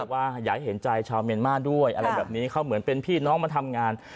ว่าอยากให้เห็นใจชาวเมียนมาร์ด้วยอะไรแบบนี้เขาเหมือนเป็นพี่น้องมาทำงาน